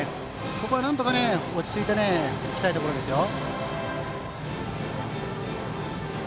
ここはなんとか落ち着いて行きたいところですよ。